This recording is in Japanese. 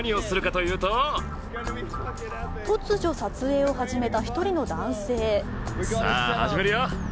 突如、撮影を始めた１人の男性。